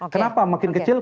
kenapa makin kecil